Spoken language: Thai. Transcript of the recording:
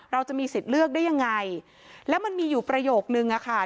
เราจะมีสิทธิ์เลือกได้ยังไงแล้วมันมีอยู่ประโยคนึงอะค่ะ